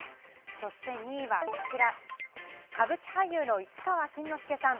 そして２位はこちら、歌舞伎俳優の市川新之助さん。